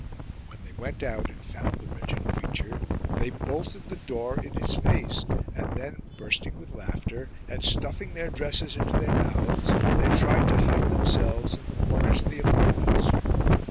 When they went out and found the wretched creature, they bolted the door in his face and then, bursting 132 THE PLOT REVEALED with laughter and stuffing their dresses into their mouths, they tried to hide themselves in the corners of the apartments.